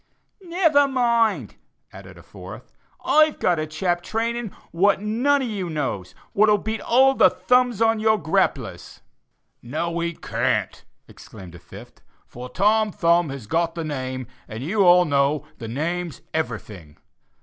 "Never mind," added a fourth, "I've got a chap training what you none on you knows, what'll beat all the 'thumbs' on your grapplers." "No, he can't," exclaimed a fifth, "for Tom Thumb has got the name, and you all know the name's everything.